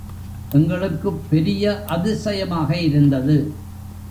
எங்களுக்குப் பெரிய அதிசயமாக இருந்தது.